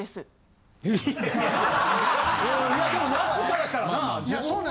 いやでも那須からしたらな？